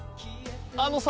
あのさ。